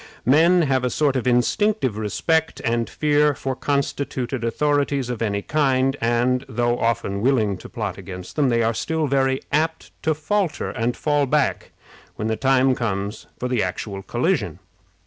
Men have a sort of instinctive respect and fear for constituted authorities of any kind, and, though often willing to plot against them, are still very apt to falter and fall back when the time comes for the actual collision.